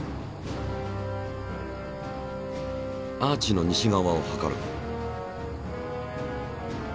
アーチの西側を測る。